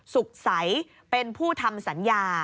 สุขใสเป็นผู้ทำสัญญา